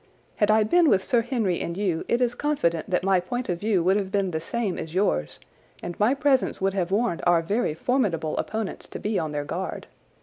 Had I been with Sir Henry and you it is confident that my point of view would have been the same as yours, and my presence would have warned our very formidable opponents to be on their guard.